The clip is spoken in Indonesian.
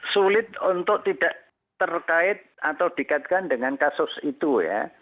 sulit untuk tidak terkait atau dikaitkan dengan kasus itu ya